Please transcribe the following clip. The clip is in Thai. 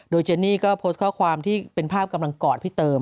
โดยเจนนี่ก็โพสต์ข้อความที่เป็นภาพกำลังกอดพี่เติม